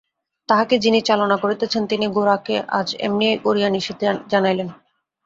তাহাকে যিনি চালনা করিতেছেন তিনি গোরাকে আজ এমনি করিয়া নিষেধ জানাইলেন।